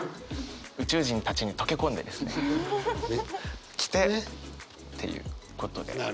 宇宙人たちに溶け込んでですね着てっていうことで。